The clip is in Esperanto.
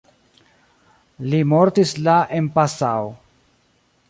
Li mortis la en Passau.